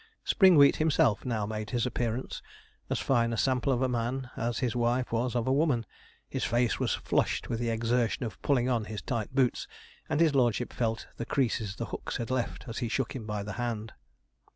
Springwheat himself now made his appearance, as fine a sample of a man as his wife was of a woman. His face was flushed with the exertion of pulling on his tight boots, and his lordship felt the creases the hooks had left as he shook him by the hand.